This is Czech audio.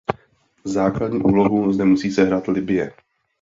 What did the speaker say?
Základní úlohu zde musí sehrát Libye.